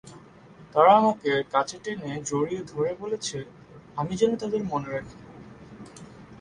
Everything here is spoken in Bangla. তাঁরা আমাকে কাছে টেনে জড়িয়ে ধরে বলেছে আমি যেন তাঁদের মনে রাখি।